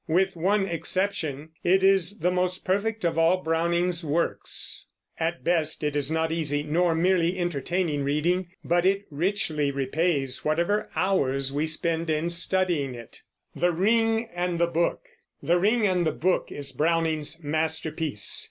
With one exception, it is the most perfect of all Browning's works. At best it is not easy, nor merely entertaining reading; but it richly repays whatever hours we spend in studying it. The Ring and the Book is Browning's masterpiece.